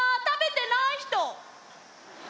食べてない人？